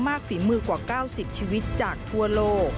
ฝีมือกว่า๙๐ชีวิตจากทั่วโลก